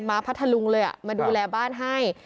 พัทธลุงเลยมาดูแลบ้านให้